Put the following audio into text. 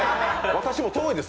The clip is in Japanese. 私も遠いです、